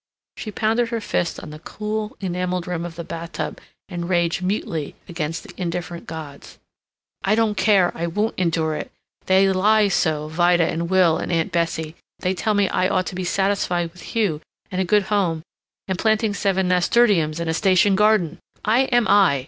She pounded her fist on the cool enameled rim of the bathtub and raged mutely against the indifferent gods: "I don't care! I won't endure it! They lie so Vida and Will and Aunt Bessie they tell me I ought to be satisfied with Hugh and a good home and planting seven nasturtiums in a station garden! I am I!